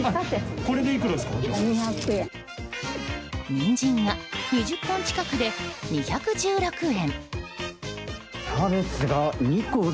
ニンジンが２０本近くで２１６円。